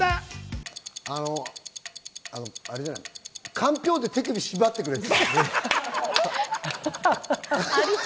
かんぴょうで手首縛ってくれって。